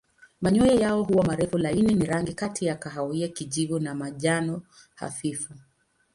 Manyoya yao huwa marefu laini na rangi kati ya kahawia kijivu na manjano hafifu.